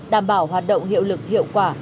đảm bảo hoạt động hiệu lực hiệu quả